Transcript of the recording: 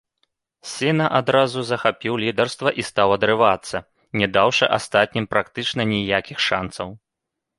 Сена адразу захапіў лідарства і стаў адрывацца, не даўшы астатнім практычна ніякіх шанцаў.